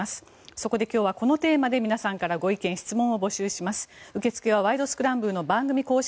そこで今日はこのテーマで皆さんからご意見・質問を募集します。